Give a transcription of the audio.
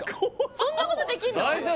そんなことできんの？